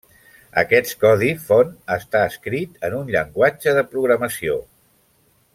Aquest codi font està escrit en un llenguatge de programació.